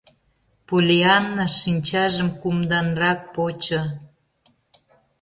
Поллианна шинчажым кумданрак почо: